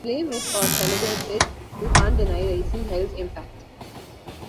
Blame it or celebrate it, you can't deny Raising Hell's impact.